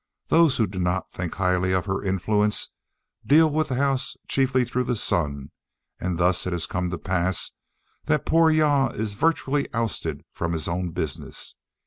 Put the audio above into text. Those who do not think so highly of her influence, deal with the house chiefly through the son, and thus it has come to pass that poor Jah is virtually ousted from his own business.